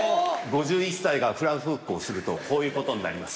５１歳がフラフープをするとこういう事になります。